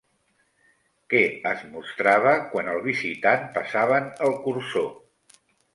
Què es mostrava quan el visitant passaven el cursor?